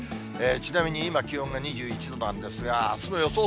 ちなみに今、気温が２１度なんですが、あすの予想